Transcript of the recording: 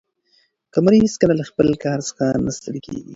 قمري هیڅکله له خپل کار څخه نه ستړې کېږي.